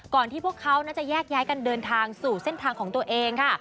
ที่พวกเขาน่าจะแยกย้ายกันเดินทางสู่เส้นทางของตัวเองค่ะ